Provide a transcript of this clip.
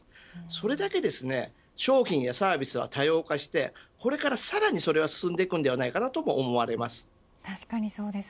それだけ商品やサービスは多様化してこれから、それはさらに進んでいくんじゃないかなと思います。